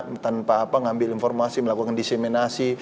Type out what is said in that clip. dengan apa apa mengambil informasi melakukan disseminasi